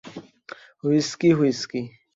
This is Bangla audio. Whisky, whisky.